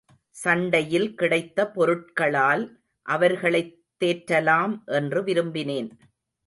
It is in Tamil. சண்டையில் கிடைத்த பொருட்களால் அவர்களைத் தேற்றலாம் என்று விரும்பினேன்.